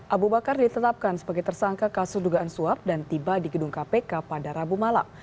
abu bakar ditetapkan sebagai tersangka kasus dugaan suap dan tiba di gedung kpk pada rabu malam